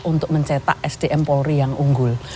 untuk mencetak sdm polri yang unggul